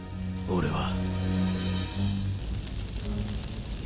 俺は。